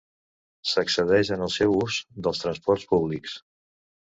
S'excedeix en el seu ús dels transports públics.